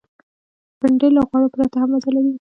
بېنډۍ له غوړو پرته هم مزه لري